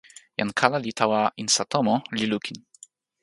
jan kala li tawa insa tomo, li lukin